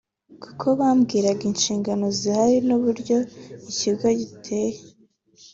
kuko bambwiraga inshingano zihari n’uburyo ikigo giteye